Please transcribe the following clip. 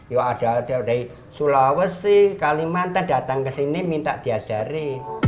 ya ada dari sulawesi kalimantan datang kesini minta diajari